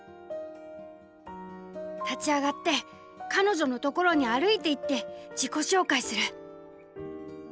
「立ち上がって彼女のところに歩いていって自己紹介する」。